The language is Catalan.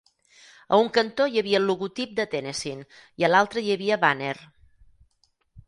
A un cantó hi havia el logotip de "Tennessean" i a l'altre hi havia "Banner".